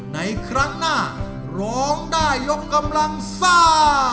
ในครั้งหน้าร้องได้ยกกำลังซ่า